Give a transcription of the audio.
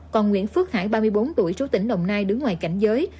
còn nguyễn phước hải ba mươi bốn tuổi trú tỉnh đồng nai đứng ngoài cảnh giới